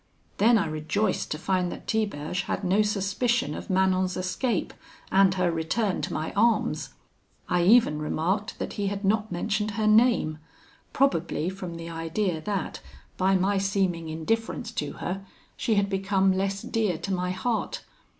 Then I rejoiced to find that Tiberge had no suspicion of Manon's escape, and her return to my arms. I even remarked that he had not mentioned her name, probably from the idea that, by my seeming indifference to her, she had become less dear to my heart.